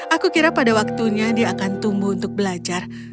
aku kira pada waktunya dia akan tumbuh untuk belajar